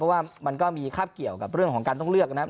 เพราะว่ามันก็มีคาบเกี่ยวกับเรื่องของการต้องเลือกนะครับ